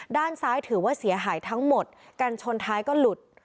ด้านซ้ายถือว่าเสียหายทั้งหมดกันชนท้ายก็หลุด